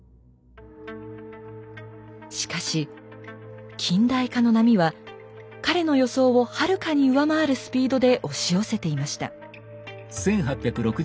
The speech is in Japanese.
しかし近代化の波は彼の予想をはるかに上回るスピードで押し寄せていました。